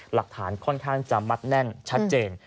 หลักฐานค่อนข้างจะมัดแน่นชัดเจน